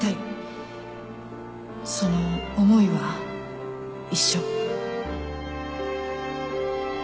その思いは一緒